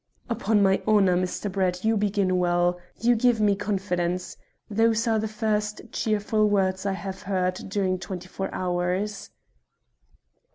"'Pon my honour, Mr. Brett, you begin well. You give me confidence. Those are the first cheerful words I have heard during twenty four hours."